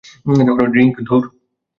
Drink, ধুর!